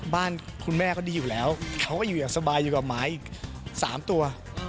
บ้านคุณแม่ก็ดีอยู่แล้วเขาก็อยู่อย่างสบายอยู่กับหมาอีก๓ตัว